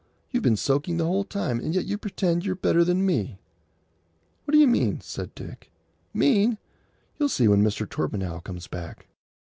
You've been soaking the whole time; and yet you pretend you're better than me!" "What d'you mean?" said Dick. "Mean! You'll see when Mr. Torpenhow comes back."